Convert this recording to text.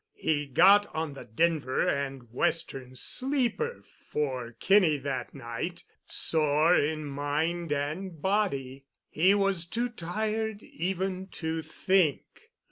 He got on the Denver and Western sleeper for Kinney that night, sore in mind and body. He was too tired even to think.